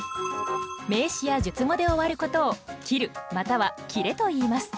名詞や述語で終わることを「切る」または「切れ」といいます。